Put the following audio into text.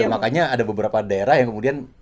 makanya ada beberapa daerah yang kemudian